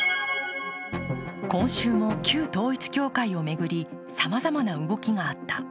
今週も旧統一教会を巡りさまざまな動きがあった。